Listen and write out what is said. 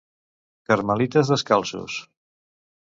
Carmelites Descalços.